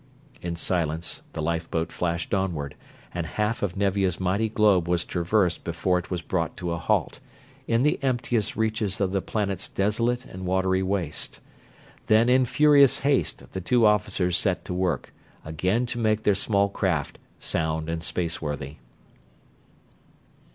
In silence the lifeboat flashed onward, and half of Nevia's mighty globe was traversed before it was brought to a halt, in the emptiest reaches of the planet's desolate and watery waste. Then in furious haste the two officers set to work, again to make their small craft sound and spaceworthy.